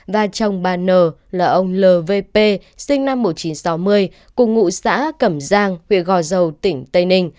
và chồng bà n là ông l v p sinh năm một nghìn chín trăm sáu mươi cùng ngụ xã cẩm giang huyện gò dầu tỉnh tây ninh